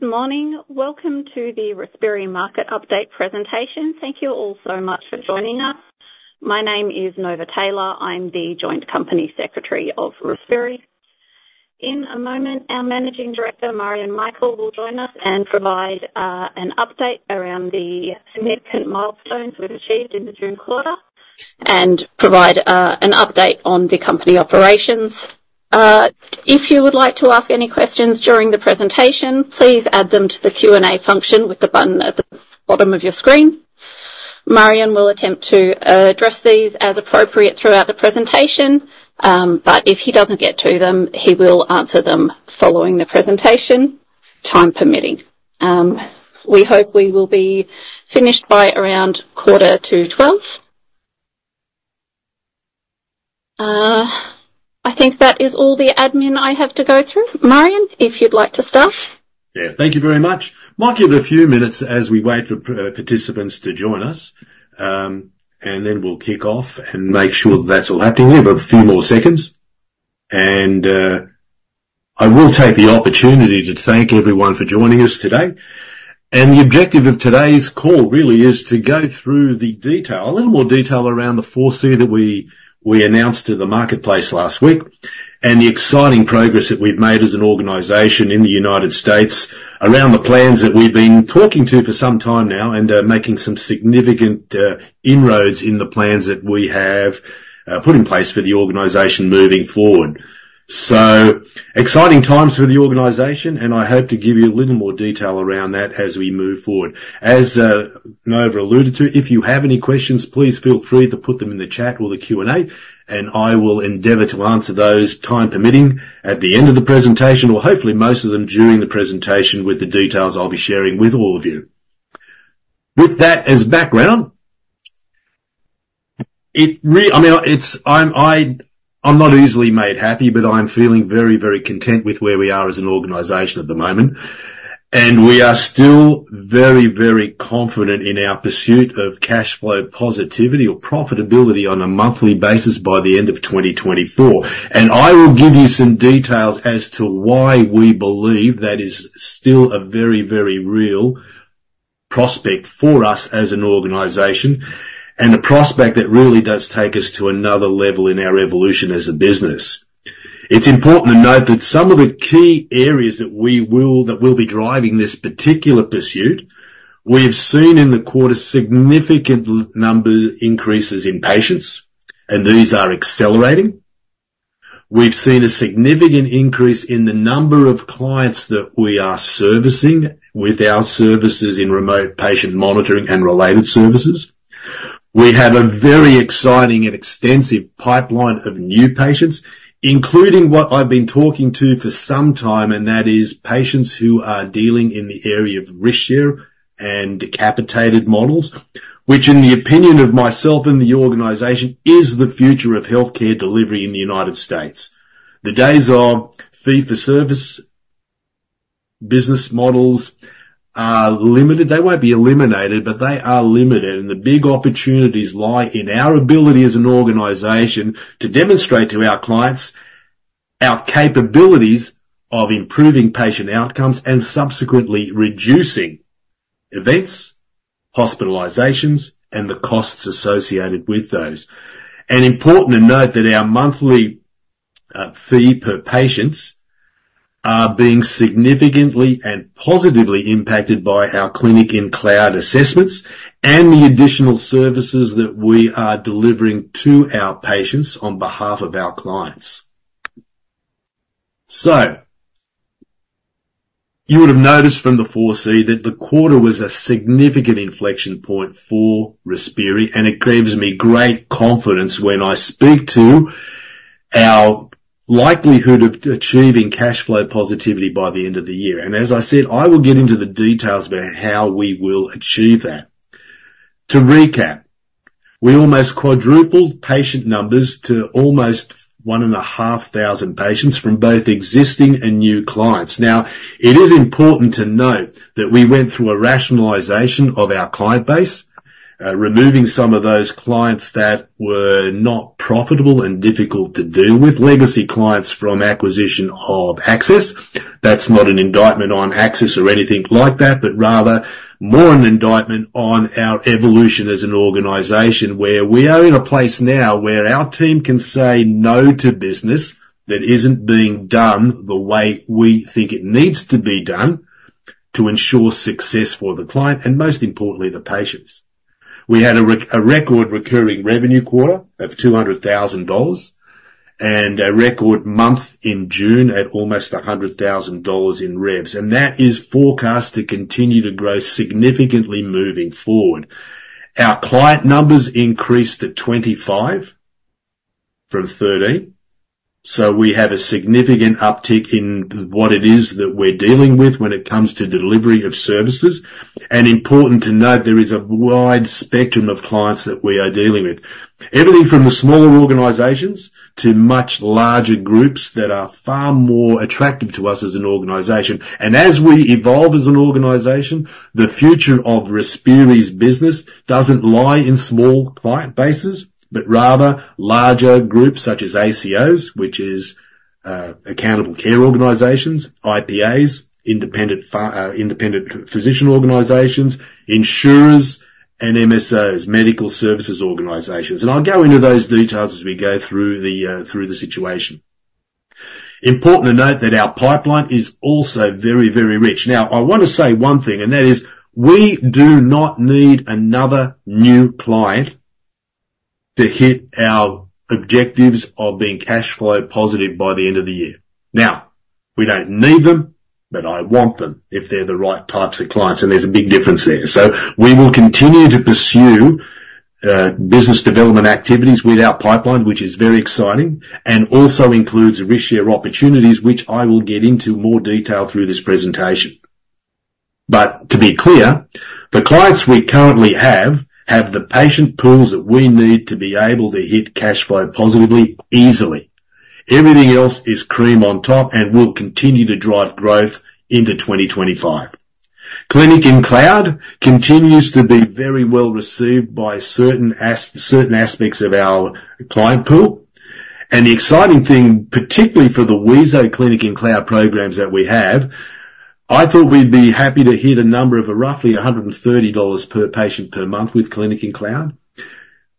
Good morning. Welcome to the Respiri Market Update presentation. Thank you all so much for joining us. My name is Nova Taylor. I'm the Joint Company Secretary of Respiri. In a moment, our Managing Director, Marjan Mikel, will join us and provide an update around the significant milestones we've achieved in the June quarter and provide an update on the company operations. If you would like to ask any questions during the presentation, please add them to the Q&A function with the button at the bottom of your screen. Marjan will attempt to address these as appropriate throughout the presentation, but if he doesn't get to them, he will answer them following the presentation, time permitting. We hope we will be finished by around quarter to twelve. I think that is all the admin I have to go through. Marjan, if you'd like to start? Yeah, thank you very much. Might give a few minutes as we wait for participants to join us, and then we'll kick off and make sure that's all happening. We have a few more seconds, and I will take the opportunity to thank everyone for joining us today. The objective of today's call really is to go through the detail, a little more detail around the 4C that we announced to the marketplace last week, and the exciting progress that we've made as an organization in the United States around the plans that we've been talking to for some time now, and making some significant inroads in the plans that we have put in place for the organization moving forward. So exciting times for the organization, and I hope to give you a little more detail around that as we move forward. As Nova alluded to, if you have any questions, please feel free to put them in the chat or the Q&A, and I will endeavor to answer those, time permitting, at the end of the presentation, or hopefully most of them during the presentation with the details I'll be sharing with all of you. With that as background, I mean, it's. I'm not easily made happy, but I'm feeling very, very content with where we are as an organization at the moment, and we are still very, very confident in our pursuit of cash flow positivity or profitability on a monthly basis by the end of 2024. I will give you some details as to why we believe that is still a very, very real prospect for us as an organization, and a prospect that really does take us to another level in our evolution as a business. It's important to note that some of the key areas that we will, that will be driving this particular pursuit, we've seen in the quarter significant number increases in patients, and these are accelerating. We've seen a significant increase in the number of clients that we are servicing with our services in remote patient monitoring and related services. We have a very exciting and extensive pipeline of new patients, including what I've been talking to for some time, and that is patients who are dealing in the area of risk share and capitated models, which, in the opinion of myself and the organization, is the future of healthcare delivery in the United States. The days of fee-for-service business models are limited. They won't be eliminated, but they are limited, and the big opportunities lie in our ability as an organization to demonstrate to our clients our capabilities of improving patient outcomes and subsequently reducing events, hospitalizations, and the costs associated with those. Important to note that our monthly fee per patients are being significantly and positively impacted by our Clinic in Cloud assessments and the additional services that we are delivering to our patients on behalf of our clients. So you would have noticed from the 4C that the quarter was a significant inflection point for Respiri, and it gives me great confidence when I speak to our likelihood of achieving cash flow positivity by the end of the year. And as I said, I will get into the details about how we will achieve that. To recap, we almost quadrupled patient numbers to almost 1,500 patients from both existing and new clients. Now, it is important to note that we went through a rationalization of our client base, removing some of those clients that were not profitable and difficult to deal with, legacy clients from acquisition of Access. That's not an indictment on Access or anything like that, but rather more an indictment on our evolution as an organization, where we are in a place now where our team can say no to business that isn't being done the way we think it needs to be done to ensure success for the client and, most importantly, the patients. We had a record recurring revenue quarter of $200,000 and a record month in June at almost $100,000 in revs, and that is forecast to continue to grow significantly moving forward. Our client numbers increased to 25 from 13, so we have a significant uptick in what it is that we're dealing with when it comes to delivery of services. Important to note, there is a wide spectrum of clients that we are dealing with, everything from the smaller organizations to much larger groups that are far more attractive to us as an organization. And as we evolve as an organization, the future of Respiri's business doesn't lie in small client bases, but rather larger groups such as ACOs, which is accountable care organizations, IPAs, independent physician associations, insurers, and MSOs, management services organizations. And I'll go into those details as we go through the situation. Important to note that our pipeline is also very, very rich. Now, I wanna say one thing, and that is, we do not need another new client to hit our objectives of being cash flow positive by the end of the year. Now, we don't need them, but I want them if they're the right types of clients, and there's a big difference there. So we will continue to pursue business development activities with our pipeline, which is very exciting, and also includes risk-share opportunities, which I will get into more detail through this presentation. But to be clear, the clients we currently have have the patient pools that we need to be able to hit cash flow positively, easily. Everything else is cream on top and will continue to drive growth into 2025. Clinic in Cloud continues to be very well received by certain aspects of our client pool, and the exciting thing, particularly for the wheezo Clinic in Cloud programs that we have, I thought we'd be happy to hit a number of roughly $130 per patient per month with Clinic in Cloud.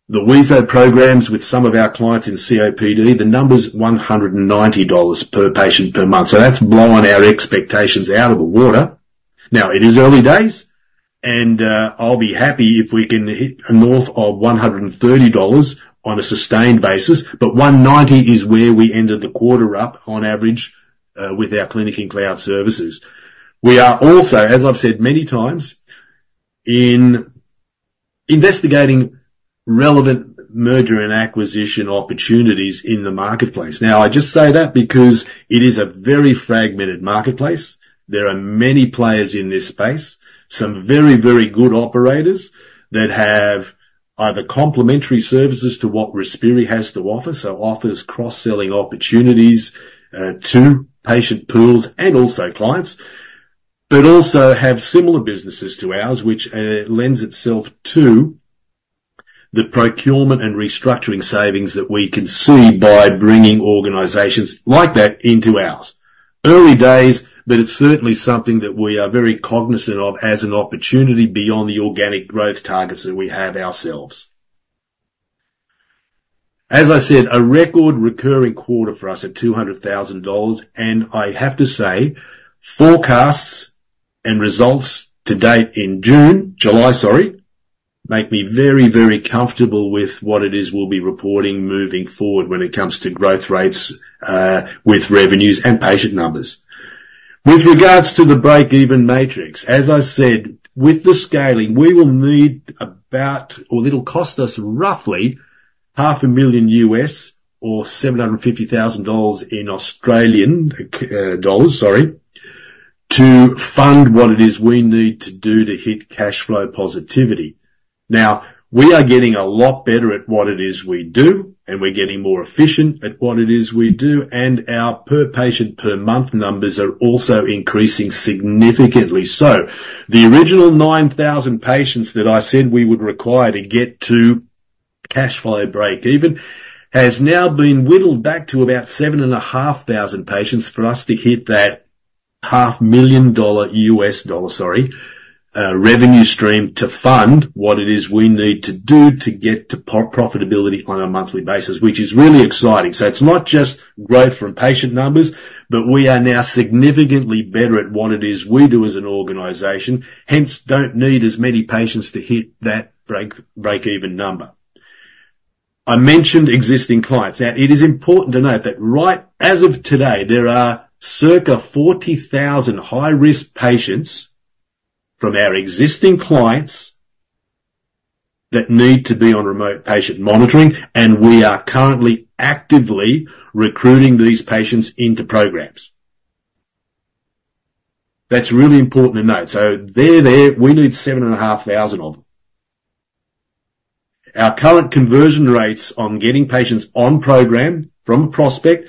The wheezo programs with some of our clients in COPD, the number's $190 per patient per month, so that's blown our expectations out of the water. Now, it is early days, and I'll be happy if we can hit north of $130 on a sustained basis, but $190 is where we ended the quarter up on average with our Clinic in Cloud services. We are also, as I've said many times, investigating relevant merger and acquisition opportunities in the marketplace. Now, I just say that because it is a very fragmented marketplace. There are many players in this space, some very, very good operators that have either complementary services to what Respiri has to offer, so offers cross-selling opportunities to patient pools and also clients, but also have similar businesses to ours, which lends itself to the procurement and restructuring savings that we can see by bringing organizations like that into ours. Early days, but it's certainly something that we are very cognizant of as an opportunity beyond the organic growth targets that we have ourselves. As I said, a record recurring quarter for us at $200,000, and I have to say, forecasts and results to date in June, July, sorry, make me very, very comfortable with what it is we'll be reporting moving forward when it comes to growth rates with revenues and patient numbers. With regards to the breakeven matrix, as I said, with the scaling, we will need about or it'll cost us roughly $500,000 or 750,000 dollars, sorry, to fund what it is we do to hit cash flow positivity. Now, we are getting a lot better at what it is we do, and we're getting more efficient at what it is we do, and our per-patient per-month numbers are also increasing significantly. So the original 9,000 patients that I said we would require to get to cash flow breakeven, has now been whittled back to about 7,500 patients for us to hit that $500,000 US dollar, sorry, revenue stream to fund what it is we need to do to get to profitability on a monthly basis, which is really exciting. So it's not just growth from patient numbers, but we are now significantly better at what it is we do as an organization, hence, don't need as many patients to hit that breakeven number. I mentioned existing clients, and it is important to note that right, as of today, there are circa 40,000 high-risk patients from our existing clients that need to be on remote patient monitoring, and we are currently actively recruiting these patients into programs. That's really important to note. So they're there. We need 7,500 of them. Our current conversion rates on getting patients on program from prospect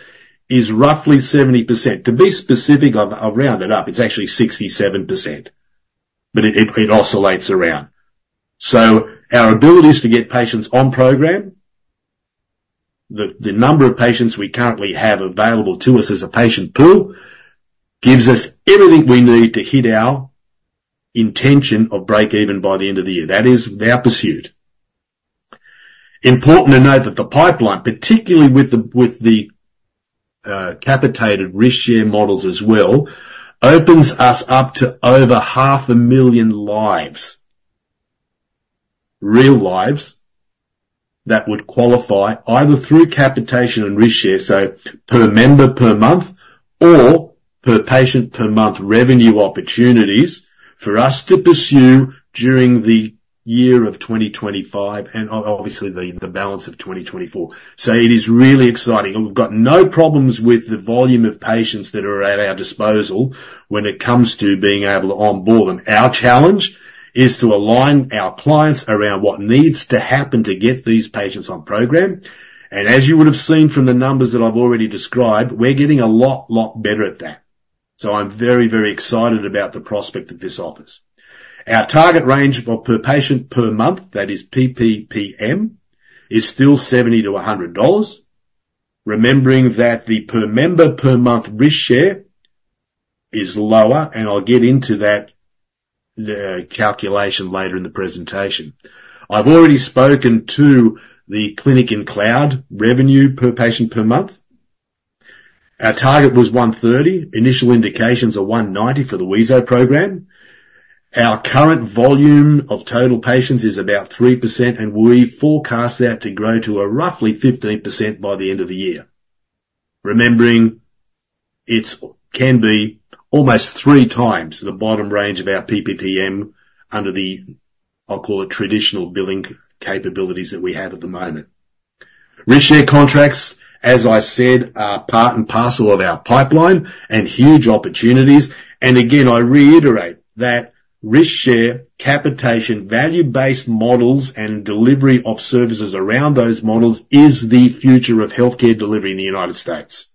is roughly 70%. To be specific, I've rounded up, it's actually 67%, but it oscillates around. So our abilities to get patients on program, the number of patients we currently have available to us as a patient pool, gives us everything we need to hit our intention of breakeven by the end of the year. That is our pursuit. Important to note that the pipeline, particularly with the capitated risk-share models as well, opens us up to over 500,000 lives, real lives, that would qualify either through capitation and risk share, so per member, per month or per patient, per month revenue opportunities for us to pursue during the year of 2025 and obviously, the balance of 2024. So it is really exciting. We've got no problems with the volume of patients that are at our disposal when it comes to being able to onboard them. Our challenge is to align our clients around what needs to happen to get these patients on program, and as you would have seen from the numbers that I've already described, we're getting a lot, lot better at that. So I'm very, very excited about the prospect that this offers. Our target range of per patient per month, that is PPPM, is still $70-$100, remembering that the per member per month risk share is lower, and I'll get into that, the calculation later in the presentation. I've already spoken to the Clinic in Cloud revenue per patient per month. Our target was $130. Initial indications are $190 for the wheezo program. Our current volume of total patients is about 3%, and we forecast that to grow to a roughly 15% by the end of the year. Remembering it's, can be almost 3 times the bottom range of our PPPM under the, I'll call it, traditional billing capabilities that we have at the moment. Risk share contracts, as I said, are part and parcel of our pipeline and huge opportunities, and again, I reiterate that risk share, capitation, value-based models, and delivery of services around those models is the future of healthcare delivery in the United States.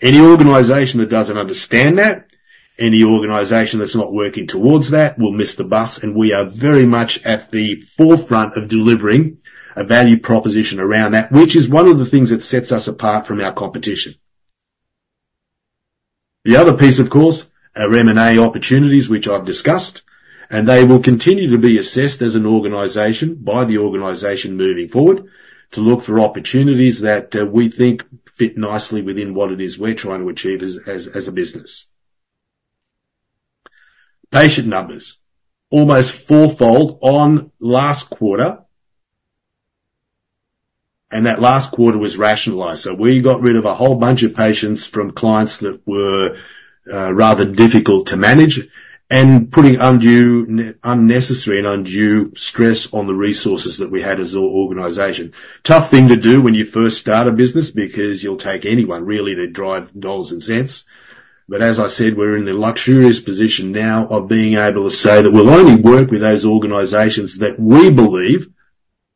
Any organization that doesn't understand that, any organization that's not working towards that, will miss the bus, and we are very much at the forefront of delivering a value proposition around that, which is one of the things that sets us apart from our competition. The other piece, of course, are M&A opportunities, which I've discussed, and they will continue to be assessed as an organization, by the organization moving forward, to look for opportunities that we think fit nicely within what it is we're trying to achieve as a business. Patient numbers. Almost fourfold on last quarter, and that last quarter was rationalized. So we got rid of a whole bunch of patients from clients that were rather difficult to manage and putting undue, unnecessary and undue stress on the resources that we had as an organization. Tough thing to do when you first start a business, because you'll take anyone really to drive dollars and cents. But as I said, we're in the luxurious position now of being able to say that we'll only work with those organizations that we believe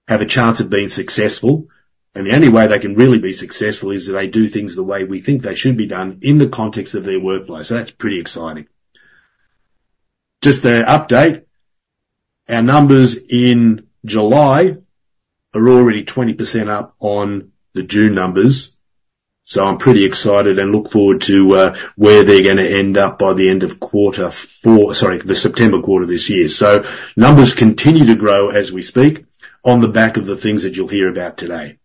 have a chance of being successful, and the only way they can really be successful is if they do things the way we think they should be done in the context of their workplace. So that's pretty exciting. Just an update, our numbers in July are already 20% up on the June numbers, so I'm pretty excited and look forward to where they're gonna end up by the end of quarter four. Sorry, the September quarter this year. So numbers continue to grow as we speak on the back of the things that you'll hear about today.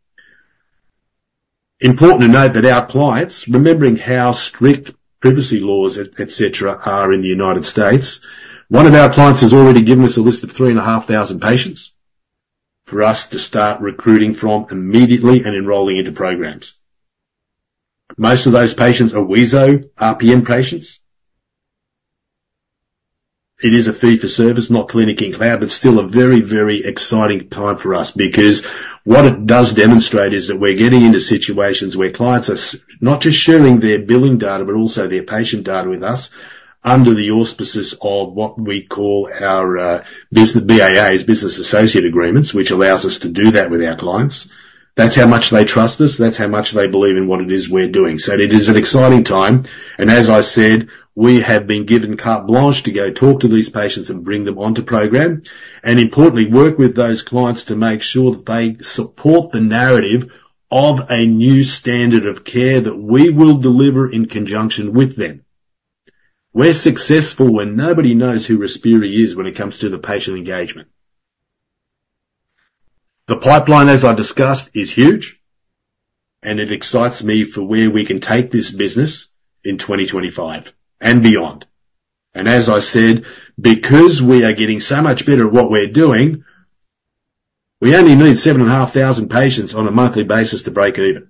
Important to note that our clients, remembering how strict privacy laws etc, are in the United States, one of our clients has already given us a list of 3,500 patients for us to start recruiting from immediately and enrolling into programs. Most of those patients are wheezo RPM patients. It is a fee-for-service, not Clinic in Cloud, but still a very, very exciting time for us. Because what it does demonstrate is that we're getting into situations where clients are not just sharing their billing data, but also their patient data with us, under the auspices of what we call our business BAAs, business associate agreements, which allows us to do that with our clients. That's how much they trust us. That's how much they believe in what it is we're doing. So it is an exciting time, and as I said, we have been given carte blanche to go talk to these patients and bring them onto program and importantly, work with those clients to make sure that they support the narrative of a new standard of care that we will deliver in conjunction with them. We're successful when nobody knows who Respiri is when it comes to the patient engagement. The pipeline, as I discussed, is huge, and it excites me for where we can take this business in 2025 and beyond. And as I said, because we are getting so much better at what we're doing, we only need 7,500 patients on a monthly basis to break even,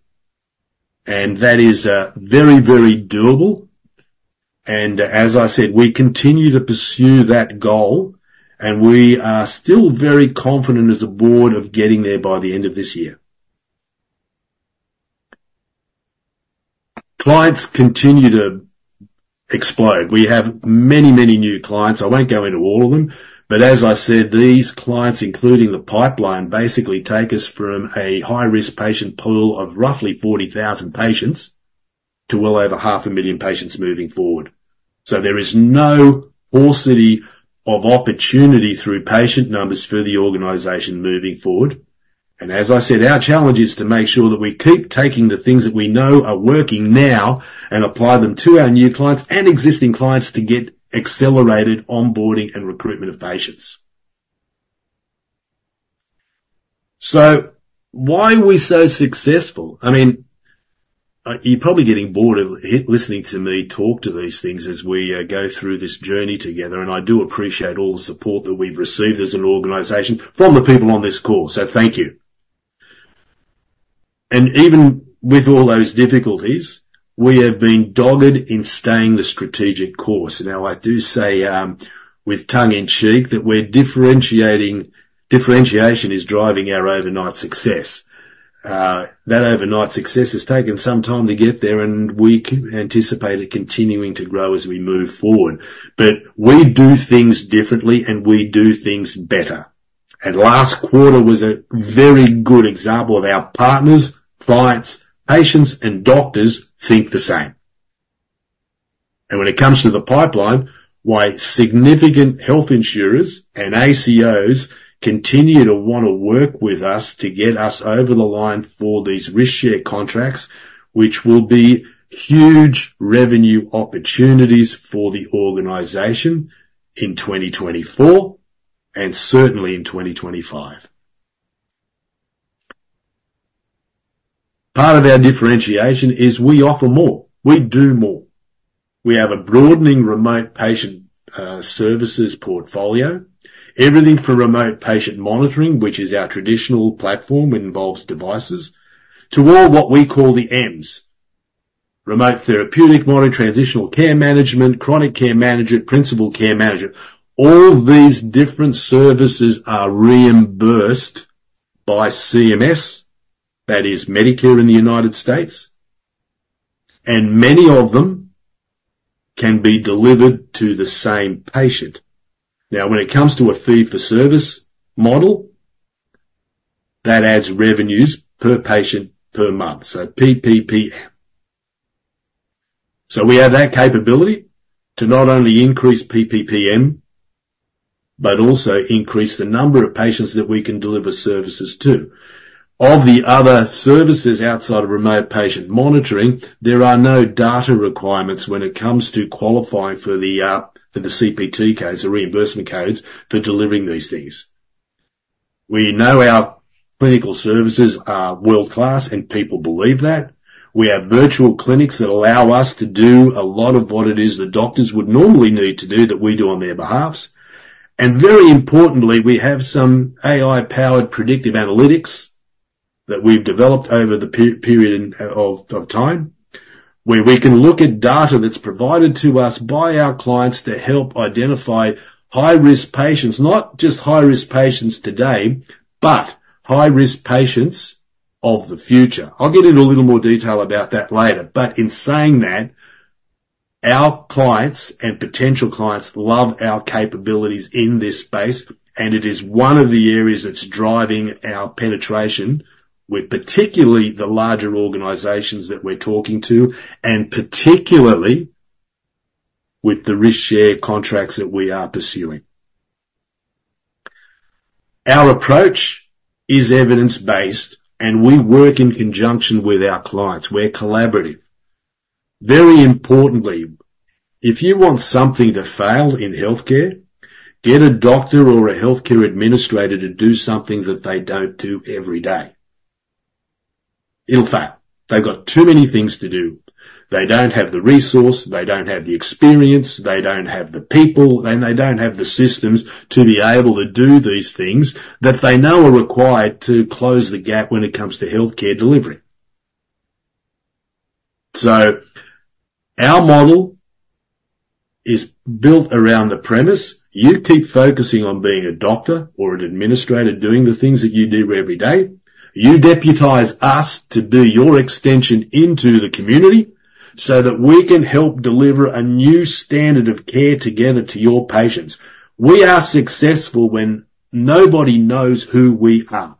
and that is, very, very doable, and as I said, we continue to pursue that goal, and we are still very confident as a board of getting there by the end of this year. Clients continue to explode. We have many, many new clients. I won't go into all of them, but as I said, these clients, including the pipeline, basically take us from a high-risk patient pool of roughly 40,000 patients to well over 500,000 patients moving forward. There is no paucity of opportunity through patient numbers for the organization moving forward. As I said, our challenge is to make sure that we keep taking the things that we know are working now and apply them to our new clients and existing clients to get accelerated onboarding and recruitment of patients. Why are we so successful? I mean, you're probably getting bored of listening to me talk to these things as we go through this journey together, and I do appreciate all the support that we've received as an organization from the people on this call, so thank you. Even with all those difficulties, we have been dogged in staying the strategic course. Now, I do say, with tongue in cheek, that we're differentiating... Differentiation is driving our overnight success. That overnight success has taken some time to get there, and we anticipate it continuing to grow as we move forward. But we do things differently, and we do things better. And last quarter was a very good example of our partners, clients, patients, and doctors think the same. And when it comes to the pipeline, while significant health insurers and ACOs continue to wanna work with us to get us over the line for these risk-share contracts, which will be huge revenue opportunities for the organization in 2024, and certainly in 2025. Part of our differentiation is we offer more, we do more. We have a broadening remote patient services portfolio. Everything from remote patient monitoring, which is our traditional platform, involves devices, to what we call the M's. Remote therapeutic monitoring, transitional care management, chronic care management, principal care management. All these different services are reimbursed by CMS, that is Medicare in the United States, and many of them can be delivered to the same patient. Now, when it comes to a fee-for-service model, that adds revenues per patient per month, so PPPM. So we have that capability to not only increase PPPM, but also increase the number of patients that we can deliver services to. Of the other services outside of remote patient monitoring, there are no data requirements when it comes to qualifying for the for the CPT codes, the reimbursement codes, for delivering these things. We know our clinical services are world-class, and people believe that. We have virtual clinics that allow us to do a lot of what it is the doctors would normally need to do, that we do on their behalves. Very importantly, we have some AI-powered predictive analytics that we've developed over the period of time, where we can look at data that's provided to us by our clients to help identify high-risk patients. Not just high-risk patients today, but high-risk patients of the future. I'll get into a little more detail about that later. But in saying that, our clients and potential clients love our capabilities in this space, and it is one of the areas that's driving our penetration with particularly the larger organizations that we're talking to, and particularly with the risk-share contracts that we are pursuing. Our approach is evidence-based, and we work in conjunction with our clients. We're collaborative. Very importantly, if you want something to fail in healthcare, get a doctor or a healthcare administrator to do something that they don't do every day. It'll fail. They've got too many things to do. They don't have the resource, they don't have the experience, they don't have the people, and they don't have the systems to be able to do these things that they know are required to close the gap when it comes to healthcare delivery. So our model is built around the premise, you keep focusing on being a doctor or an administrator, doing the things that you do every day. You deputize us to be your extension into the community so that we can help deliver a new standard of care together to your patients. We are successful when nobody knows who we are.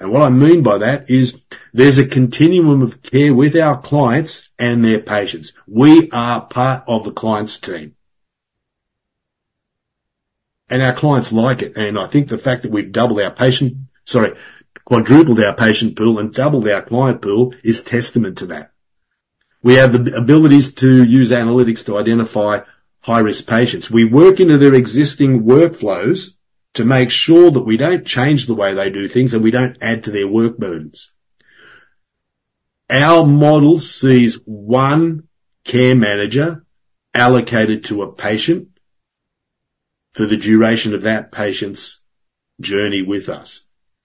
What I mean by that is, there's a continuum of care with our clients and their patients. We are part of the client's team. Our clients like it, and I think the fact that we've doubled our patient. Sorry, quadrupled our patient pool and doubled our client pool is testament to that. We have the abilities to use analytics to identify high-risk patients. We work into their existing workflows to make sure that we don't change the way they do things, and we don't add to their workloads. Our model sees one care manager allocated to a patient for the duration of that patient's journey with us.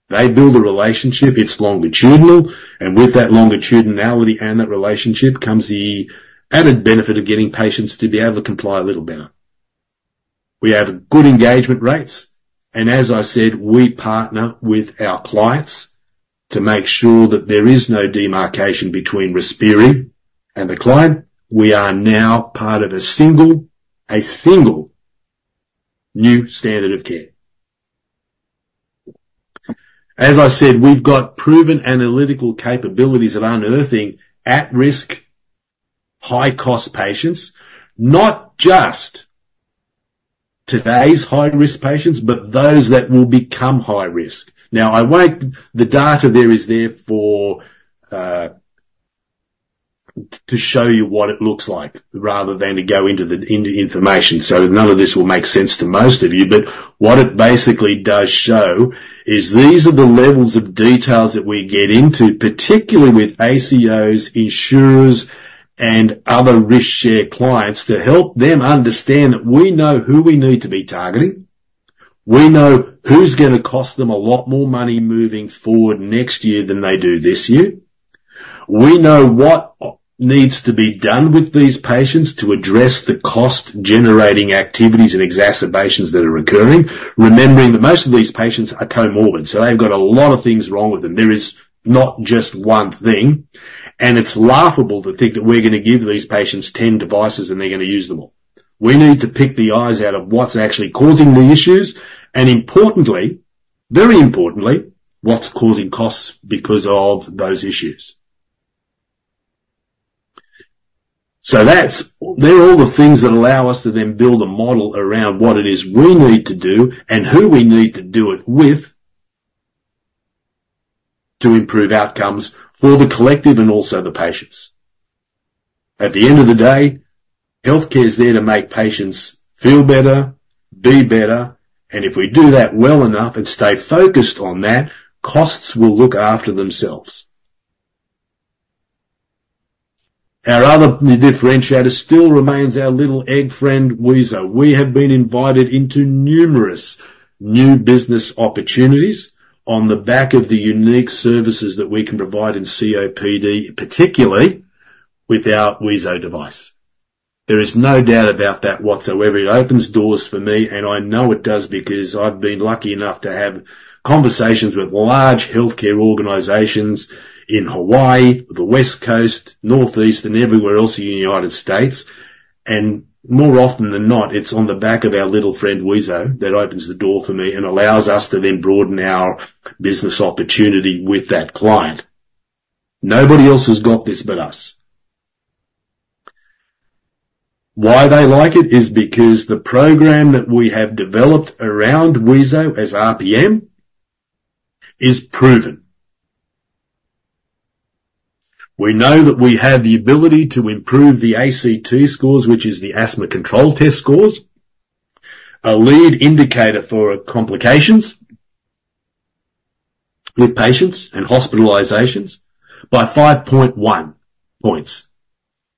They build a relationship, it's longitudinal, and with that longitudinality and that relationship comes the added benefit of getting patients to be able to comply a little better. We have good engagement rates, and as I said, we partner with our clients to make sure that there is no demarcation between Respiri and the client. We are now part of a single, a single new standard of care. As I said, we've got proven analytical capabilities of unearthing at-risk, high-cost patients, not just today's high-risk patients, but those that will become high risk. Now, I won't, the data there is there for to show you what it looks like rather than to go into the information. So none of this will make sense to most of you, but what it basically does show is these are the levels of details that we get into, particularly with ACOs, insurers, and other risk-share clients, to help them understand that we know who we need to be targeting. We know who's gonna cost them a lot more money moving forward next year than they do this year. We know what needs to be done with these patients to address the cost-generating activities and exacerbations that are occurring, remembering that most of these patients are comorbid, so they've got a lot of things wrong with them. There is not just one thing, and it's laughable to think that we're gonna give these patients 10 devices, and they're gonna use them all. We need to pick the eyes out of what's actually causing the issues, and importantly, very importantly, what's causing costs because of those issues. So that's, they're all the things that allow us to then build a model around what it is we need to do and who we need to do it with, to improve outcomes for the collective and also the patients. At the end of the day, healthcare is there to make patients feel better, be better, and if we do that well enough and stay focused on that, costs will look after themselves. Our other differentiator still remains our little egg friend, wheezo. We have been invited into numerous new business opportunities on the back of the unique services that we can provide in COPD, particularly with our wheezo device. There is no doubt about that whatsoever. It opens doors for me, and I know it does because I've been lucky enough to have conversations with large healthcare organizations in Hawaii, the West Coast, Northeast, and everywhere else in the United States. More often than not, it's on the back of our little friend, wheezo, that opens the door for me and allows us to then broaden our business opportunity with that client. Nobody else has got this but us. Why they like it is because the program that we have developed around wheezo as RPM is proven. We know that we have the ability to improve the ACT scores, which is the Asthma Control Test scores, a lead indicator for complications with patients and hospitalizations by 5.1 points.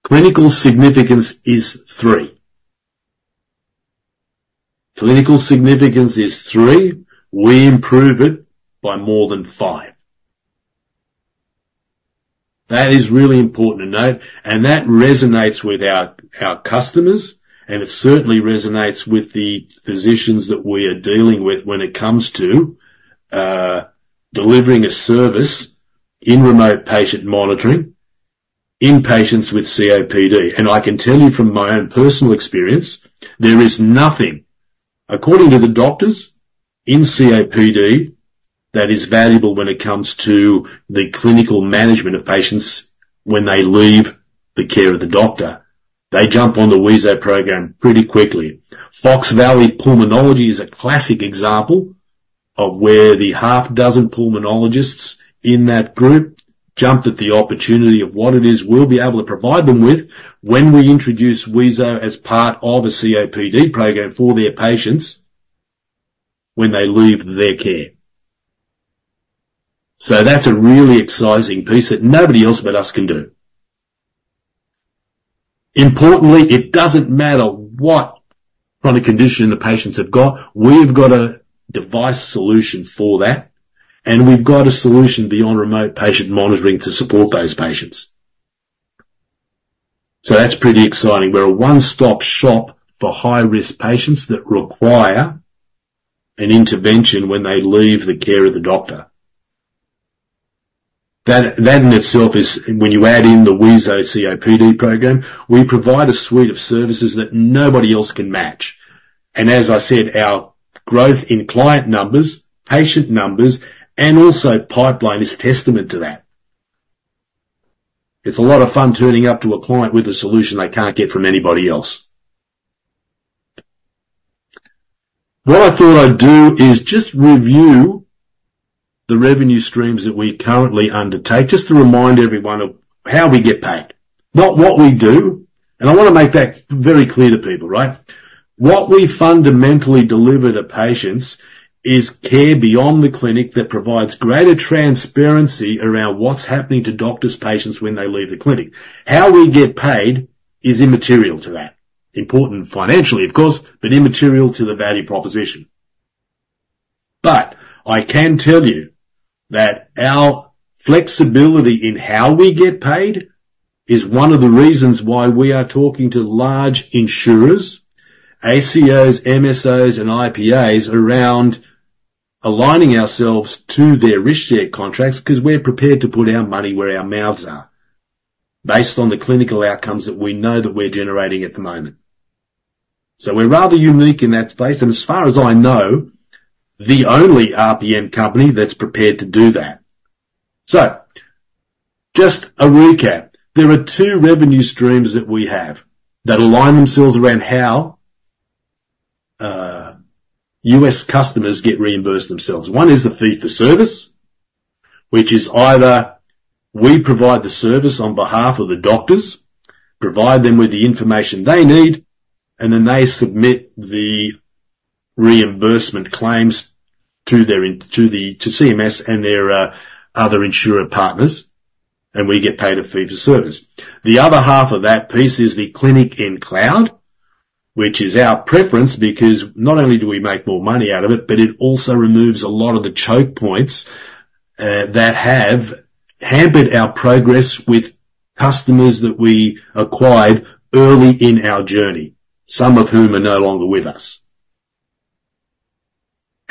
Clinical significance is 3. Clinical significance is 3. We improve it by more than 5. That is really important to note, and that resonates with our, our customers, and it certainly resonates with the physicians that we are dealing with when it comes to delivering a service in remote patient monitoring in patients with COPD. And I can tell you from my own personal experience, there is nothing, according to the doctors in COPD, that is valuable when it comes to the clinical management of patients when they leave the care of the doctor. They jump on the wheezo program pretty quickly. Fox Valley Pulmonary Medicine is a classic example of where the six pulmonologists in that group jumped at the opportunity of what it is we'll be able to provide them with when we introduce wheezo as part of a COPD program for their patients, when they leave their care. So that's a really exciting piece that nobody else but us can do. Importantly, it doesn't matter what chronic condition the patients have got, we've got a device solution for that, and we've got a solution beyond remote patient monitoring to support those patients. So that's pretty exciting. We're a one-stop shop for high-risk patients that require an intervention when they leave the care of the doctor. That, that in itself is, when you add in the wheezo COPD program, we provide a suite of services that nobody else can match. And as I said, our growth in client numbers, patient numbers, and also pipeline is testament to that. It's a lot of fun turning up to a client with a solution they can't get from anybody else. What I thought I'd do is just review the revenue streams that we currently undertake, just to remind everyone of how we get paid, not what we do, and I wanna make that very clear to people, right? What we fundamentally deliver to patients is care beyond the clinic that provides greater transparency around what's happening to doctors' patients when they leave the clinic. How we get paid is immaterial to that. Important financially, of course, but immaterial to the value proposition. But I can tell you that our flexibility in how we get paid is one of the reasons why we are talking to large insurers, ACOs, MSOs, and IPAs around aligning ourselves to their risk share contracts, because we're prepared to put our money where our mouths are, based on the clinical outcomes that we know that we're generating at the moment. So we're rather unique in that space, and as far as I know, the only RPM company that's prepared to do that. So just a recap. There are two revenue streams that we have that align themselves around how US customers get reimbursed themselves. One is the fee-for-service, which is either we provide the service on behalf of the doctors, provide them with the information they need, and then they submit the reimbursement claims to the CMS and their other insurer partners, and we get paid a fee-for-service. The other half of that piece is the Clinic in Cloud, which is our preference, because not only do we make more money out of it, but it also removes a lot of the choke points that have hampered our progress with customers that we acquired early in our journey, some of whom are no longer with us.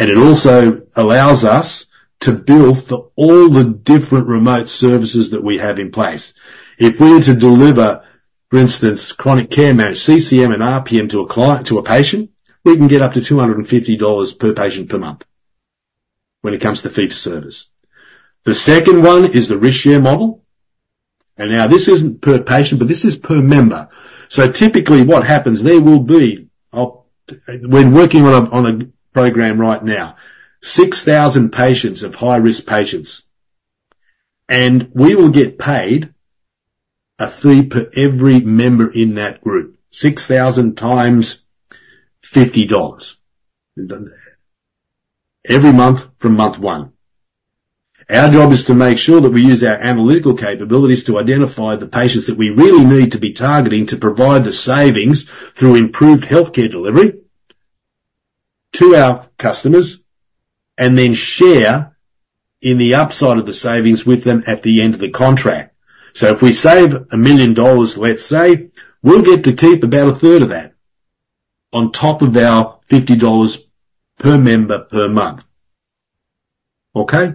And it also allows us to bill for all the different remote services that we have in place. If we were to deliver, for instance, chronic care management, CCM, and RPM to a client, to a patient, we can get up to $250 per patient per month when it comes to fee-for-service. The second one is the risk-share model, and now this isn't per patient, but this is per member. So typically, what happens, there will be, we're working on a program right now, 6,000 patients of high-risk patients, and we will get paid a fee per every member in that group, 6,000 × $50, every month from month one. Our job is to make sure that we use our analytical capabilities to identify the patients that we really need to be targeting to provide the savings through improved healthcare delivery to our customers, and then share in the upside of the savings with them at the end of the contract. So if we save $1 million, let's say, we'll get to keep about a third of that on top of our $50 per member per month. Okay?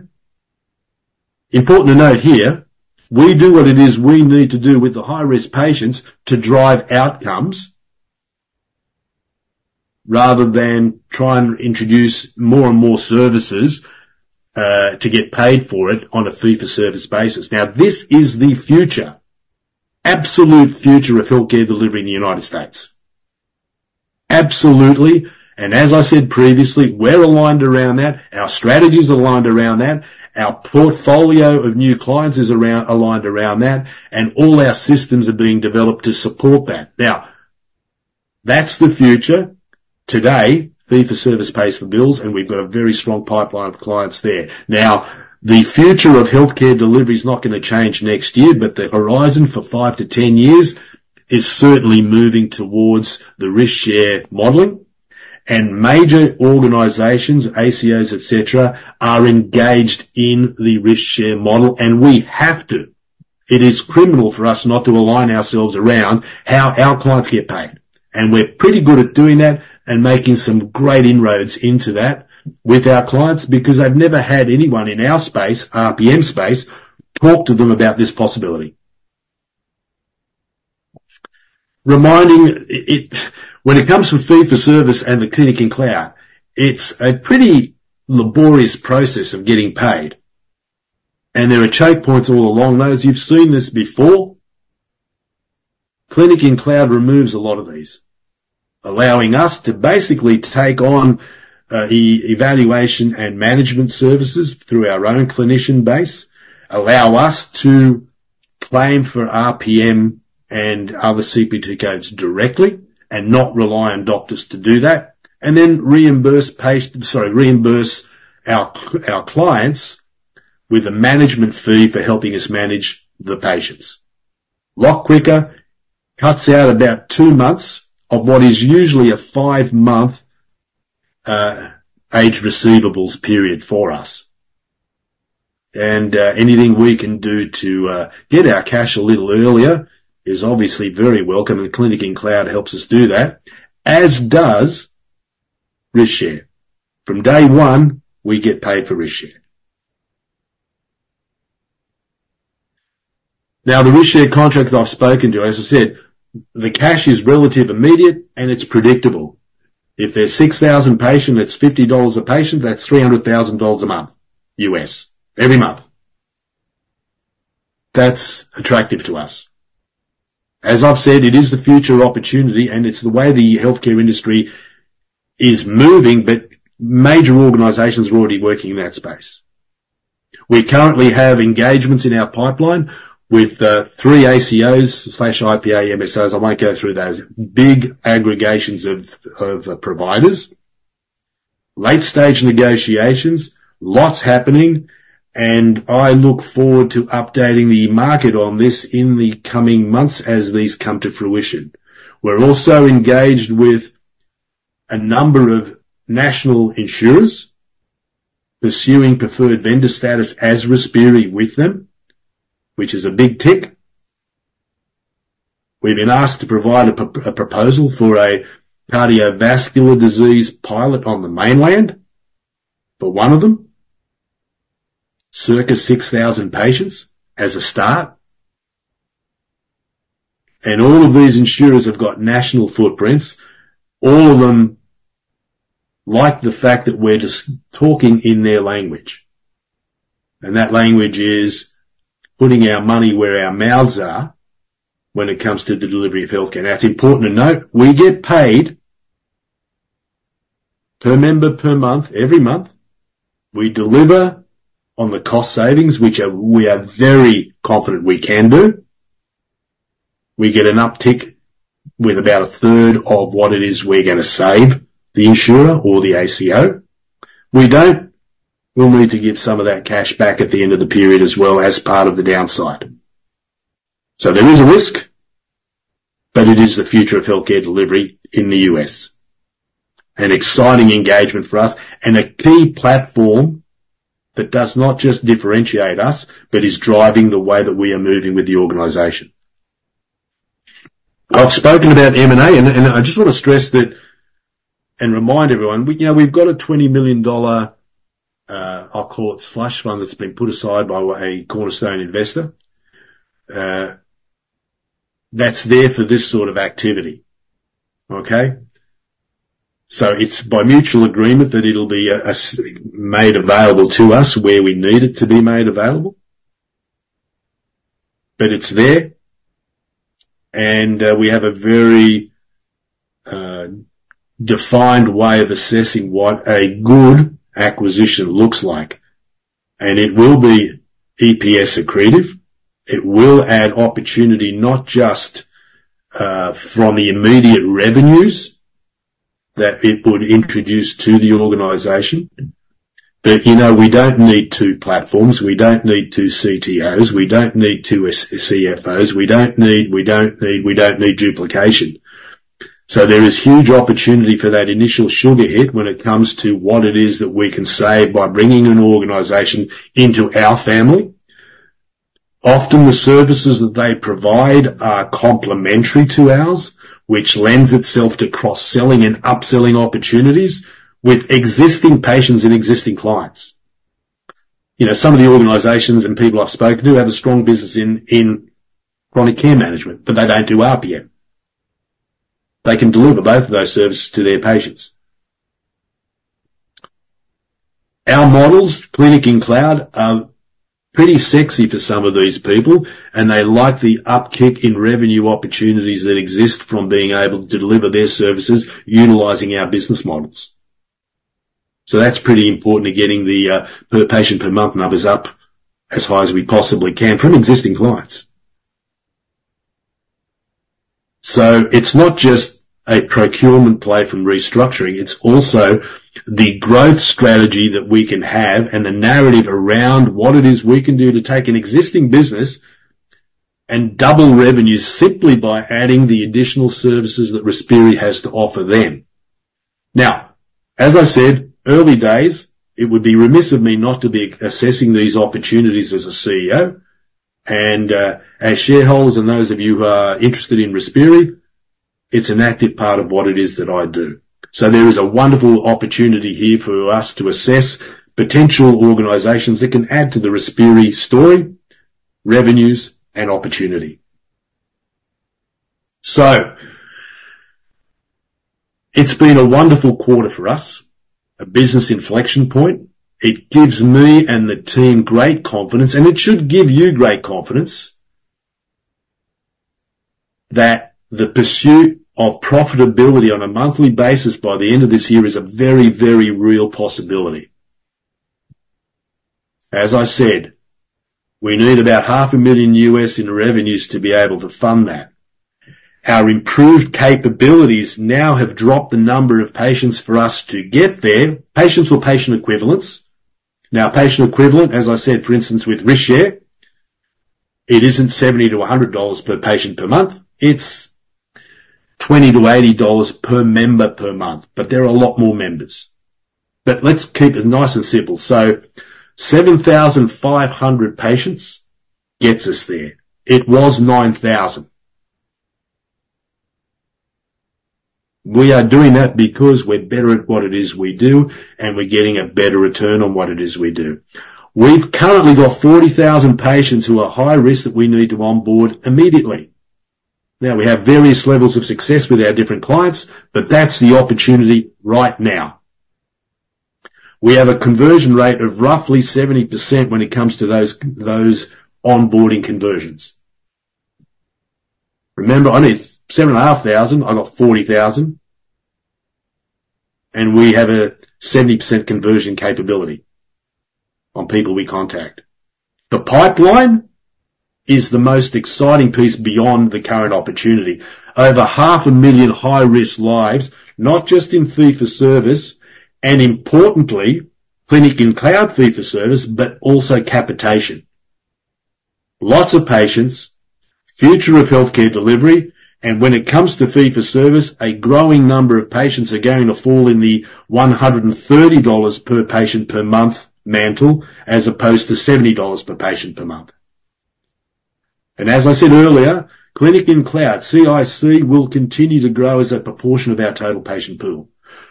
Important to note here, we do what it is we need to do with the high-risk patients to drive outcomes, rather than try and introduce more and more services, to get paid for it on a fee-for-service basis. Now, this is the future, absolute future of healthcare delivery in the United States. Absolutely, and as I said previously, we're aligned around that, our strategy is aligned around that, our portfolio of new clients is aligned around that, and all our systems are being developed to support that. Now, that's the future. Today, fee-for-service pays the bills, and we've got a very strong pipeline of clients there. Now, the future of healthcare delivery is not gonna change next year, but the horizon for five to 10 years is certainly moving towards the risk-share modeling, and major organizations, ACOs, et cetera, are engaged in the risk-share model, and we have to. It is criminal for us not to align ourselves around how our clients get paid, and we're pretty good at doing that and making some great inroads into that with our clients, because they've never had anyone in our space, RPM space, talk to them about this possibility. When it comes to fee-for-service and the Clinic in Cloud, it's a pretty laborious process of getting paid, and there are choke points all along those. You've seen this before. Clinic in Cloud removes a lot of these, allowing us to basically take on evaluation and management services through our own clinician base, allow us to claim for RPM and other CPT codes directly, and not rely on doctors to do that, and then reimburse patients, sorry, reimburse our clients with a management fee for helping us manage the patients. A lot quicker, cuts out about two months of what is usually a five-month aged receivables period for us. Anything we can do to get our cash a little earlier is obviously very welcome, and Clinic in Cloud helps us do that, as does risk share. From day one, we get paid for risk share. Now, the risk share contracts I've spoken to, as I said, the cash is relative immediate, and it's predictable. If there's 6,000 patient, that's $50 a patient, that's $300,000 a month, US, every month. That's attractive to us. As I've said, it is the future opportunity, and it's the way the healthcare industry is moving, but major organizations are already working in that space. We currently have engagements in our pipeline with three ACOs/IPAs MSOs. I won't go through those. Big aggregations of providers, late-stage negotiations, lots happening, and I look forward to updating the market on this in the coming months as these come to fruition. We're also engaged with a number of national insurers pursuing preferred vendor status as Respiri with them, which is a big tick. We've been asked to provide a proposal for a cardiovascular disease pilot on the mainland, for one of them, circa 6,000 patients as a start. And all of these insurers have got national footprints. All of them like the fact that we're just talking in their language, and that language is putting our money where our mouths are when it comes to the delivery of healthcare. Now, it's important to note, we get paid per member, per month, every month. We deliver on the cost savings, which are—we are very confident we can do. We get an uptick with about a third of what it is we're gonna save the insurer or the ACO. We don't. We'll need to give some of that cash back at the end of the period as well as part of the downside. So there is a risk, but it is the future of healthcare delivery in the US. An exciting engagement for us and a key platform that does not just differentiate us, but is driving the way that we are moving with the organization. I've spoken about M&A, and I just want to stress that, and remind everyone, you know, we've got a $20 million slush fund that's been put aside by a cornerstone investor, that's there for this sort of activity. Okay? So it's by mutual agreement that it'll be made available to us where we need it to be made available. But it's there, and we have a very defined way of assessing what a good acquisition looks like. It will be EPS accretive, it will add opportunity, not just from the immediate revenues that it would introduce to the organization. But, you know, we don't need two platforms, we don't need two CTOs, we don't need two CFOs, we don't need duplication. So there is huge opportunity for that initial sugar hit when it comes to what it is that we can save by bringing an organization into our family. Often, the services that they provide are complementary to ours, which lends itself to cross-selling and upselling opportunities with existing patients and existing clients. You know, some of the organizations and people I've spoken to have a strong business in chronic care management, but they don't do RPM. They can deliver both of those services to their patients. Our models, Clinic in Cloud, are pretty sexy for some of these people, and they like the upkick in revenue opportunities that exist from being able to deliver their services utilizing our business models. So that's pretty important to getting the per-patient-per-month numbers up as high as we possibly can from existing clients. So it's not just a procurement play from restructuring, it's also the growth strategy that we can have and the narrative around what it is we can do to take an existing business and double revenues simply by adding the additional services that Respiri has to offer them. Now, as I said, early days, it would be remiss of me not to be assessing these opportunities as a CEO, and as shareholders and those of you who are interested in Respiri, it's an active part of what it is that I do. There is a wonderful opportunity here for us to assess potential organizations that can add to the Respiri story, revenues, and opportunity. It's been a wonderful quarter for us, a business inflection point. It gives me and the team great confidence, and it should give you great confidence, that the pursuit of profitability on a monthly basis by the end of this year is a very, very real possibility. As I said, we need about $500,000 in revenues to be able to fund that. Our improved capabilities now have dropped the number of patients for us to get there, patients or patient equivalents. Now, patient equivalent, as I said, for instance, with risk share, it isn't $70-$100 per patient per month; it's $20-$80 per member per month, but there are a lot more members. Let's keep it nice and simple. So 7,500 patients gets us there. It was 9,000. We are doing that because we're better at what it is we do, and we're getting a better return on what it is we do. We've currently got 40,000 patients who are high risk that we need to onboard immediately. Now, we have various levels of success with our different clients, but that's the opportunity right now. We have a conversion rate of roughly 70% when it comes to those onboarding conversions. Remember, I need 7,500, I got 40,000, and we have a 70% conversion capability on people we contact. The pipeline is the most exciting piece beyond the current opportunity. Over 500,000 high-risk lives, not just in fee-for-service, and importantly, Clinic in Cloud fee-for-service, but also capitation. Lots of patients, future of healthcare delivery, and when it comes to fee-for-service, a growing number of patients are going to fall in the $130 per patient per month mantle, as opposed to $70 per patient per month. As I said earlier, Clinic in Cloud, CIC, will continue to grow as a proportion of our total patient pool.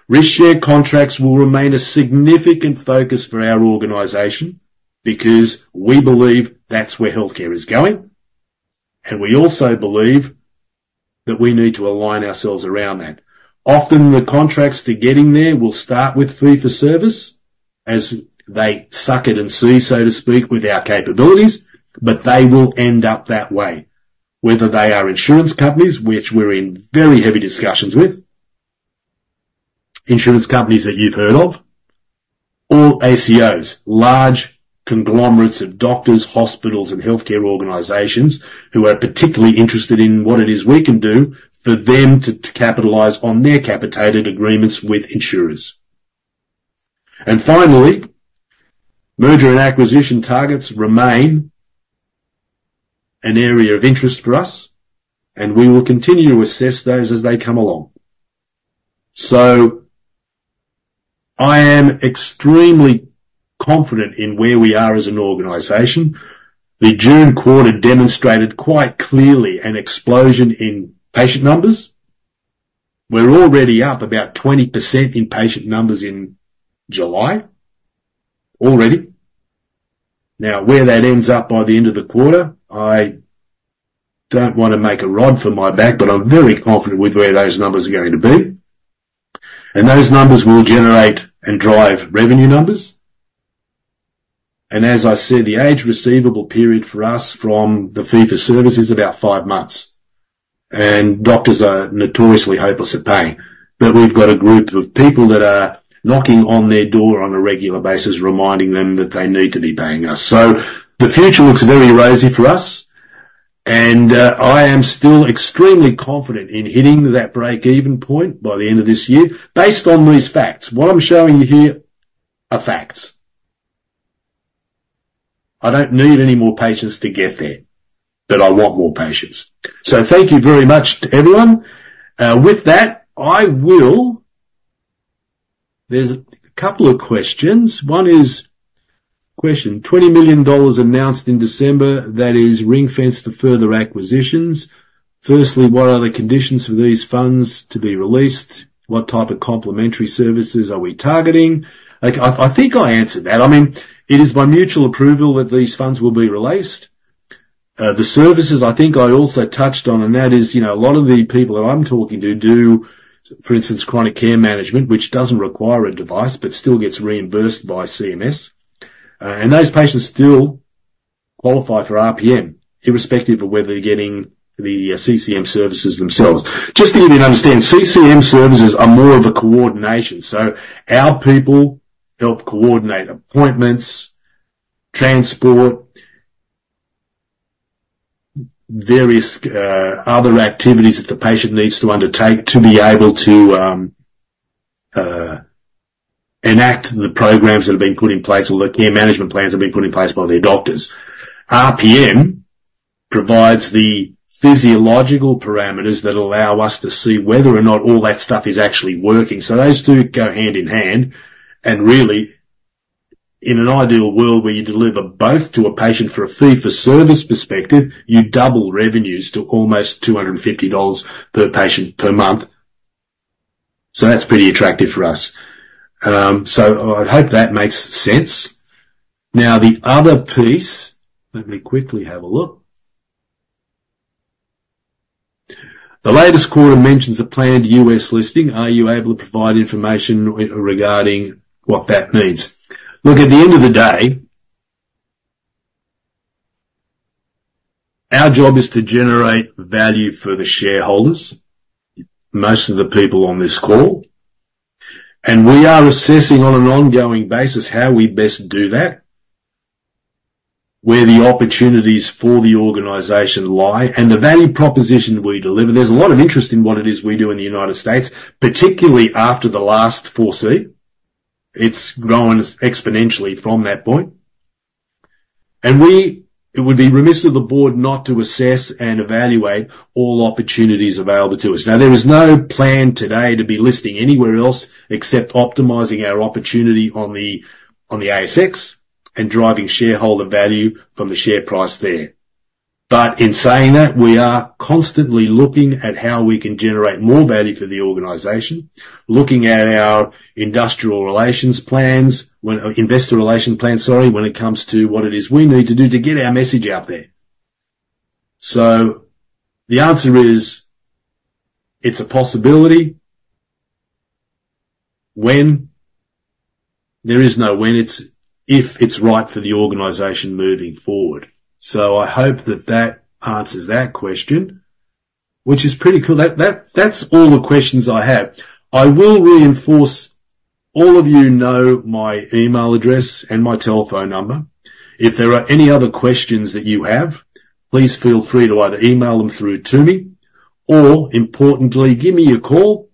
Risk-share contracts will remain a significant focus for our organization because we believe that's where healthcare is going, and we also believe that we need to align ourselves around that. Often, the contracts to getting there will start with fee-for-service as they suck it and see, so to speak, with our capabilities, but they will end up that way. Whether they are insurance companies, which we're in very heavy discussions with, insurance companies that you've heard of, or ACOs, large conglomerates of doctors, hospitals, and healthcare organizations who are particularly interested in what it is we can do for them to capitalize on their capitated agreements with insurers. And finally, merger and acquisition targets remain an area of interest for us, and we will continue to assess those as they come along. I am extremely confident in where we are as an organization. The June quarter demonstrated quite clearly an explosion in patient numbers. We're already up about 20% in patient numbers in July, already. Now, where that ends up by the end of the quarter, I don't want to make a rod for my back, but I'm very confident with where those numbers are going to be. Those numbers will generate and drive revenue numbers. As I said, the age receivable period for us from the fee-for-service is about five months, and doctors are notoriously hopeless at paying. But we've got a group of people that are knocking on their door on a regular basis, reminding them that they need to be paying us. So the future looks very rosy for us, and I am still extremely confident in hitting that breakeven point by the end of this year, based on these facts. What I'm showing you here are facts. I don't need any more patients to get there, but I want more patients. So thank you very much to everyone. With that, I will. There's a couple of questions. One is: "Question, $20 million announced in December, that is ring-fenced for further acquisitions. Firstly, what are the conditions for these funds to be released? What type of complimentary services are we targeting? I think I answered that. I mean, it is by mutual approval that these funds will be released. The services I think I also touched on, and that is, you know, a lot of the people that I'm talking to do, for instance, chronic care management, which doesn't require a device, but still gets reimbursed by CMS, and those patients still qualify for RPM, irrespective of whether they're getting the CCM services themselves. Just so you can understand, CCM services are more of a coordination, so our people help coordinate appointments, transport, various, other activities that the patient needs to undertake to be able to, enact the programs that have been put in place or the care management plans that have been put in place by their doctors. RPM provides the physiological parameters that allow us to see whether or not all that stuff is actually working. So those two go hand in hand. And really, in an ideal world, where you deliver both to a patient for a fee-for-service perspective, you double revenues to almost $250 per patient per month. So that's pretty attractive for us. So I hope that makes sense. Now, the other piece, let me quickly have a look. "The latest quarter mentions a planned US listing. Are you able to provide information regarding what that means?" Look, at the end of the day, our job is to generate value for the shareholders, most of the people on this call, and we are assessing on an ongoing basis how we best do that, where the opportunities for the organization lie, and the value proposition we deliver. There's a lot of interest in what it is we do in the United States, particularly after the last 4C. It's grown exponentially from that point, and it would be remiss of the board not to assess and evaluate all opportunities available to us. Now, there is no plan today to be listing anywhere else, except optimizing our opportunity on the ASX and driving shareholder value from the share price there. But in saying that, we are constantly looking at how we can generate more value for the organization, looking at our industrial relations plans when... Investor relation plan, sorry, when it comes to what it is we need to do to get our message out there. So the answer is, it's a possibility. When? There is no when, it's if it's right for the organization moving forward. So I hope that that answers that question, which is pretty cool. That, that, that's all the questions I have. I will reinforce, all of you know my email address and my telephone number. If there are any other questions that you have, please feel free to either email them through to me or importantly, give me a call.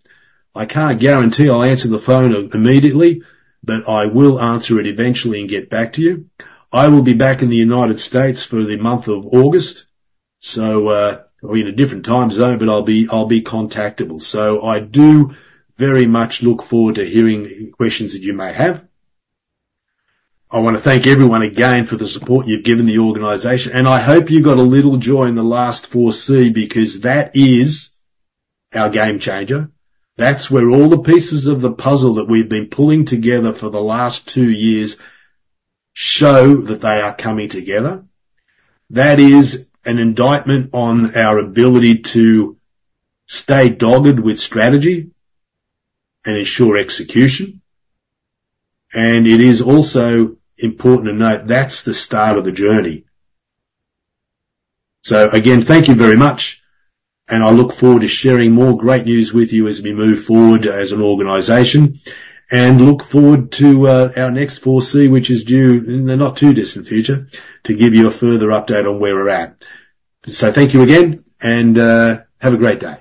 I can't guarantee I'll answer the phone i- immediately, but I will answer it eventually and get back to you. I will be back in the United States for the month of August, so, I'll be in a different time zone, but I'll be, I'll be contactable. So I do very much look forward to hearing any questions that you may have. I want to thank everyone again for the support you've given the organization, and I hope you got a little joy in the last 4C, because that is our game changer. That's where all the pieces of the puzzle that we've been pulling together for the last two years show that they are coming together. That is an indictment on our ability to stay dogged with strategy and ensure execution. And it is also important to note, that's the start of the journey. So again, thank you very much, and I look forward to sharing more great news with you as we move forward as an organization, and look forward to our next 4C, which is due in the not-too-distant future, to give you a further update on where we're at. So thank you again, and have a great day.